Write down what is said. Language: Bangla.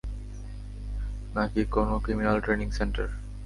না-কি কোনো ক্রিমিনাল ট্রেনিং সেন্টার?